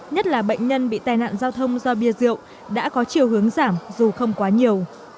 nhất là bệnh nhân bị tai nạn giao thông do bia rượu đã có chiều hướng giảm dù không quá nhiều